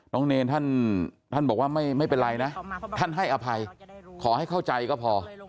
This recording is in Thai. เนรท่านบอกว่าไม่เป็นไรนะท่านให้อภัยขอให้เข้าใจก็พอ